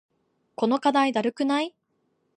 この課題だるくない？